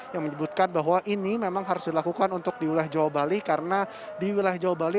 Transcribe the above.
yang menyebutkan bahwa ini memang harus dilakukan untuk di wilayah jawa bali karena di wilayah jawa bali